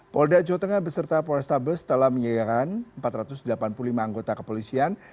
polda jawa tengah beserta polrestabes telah menyediakan empat ratus delapan puluh lima anggota kepolisian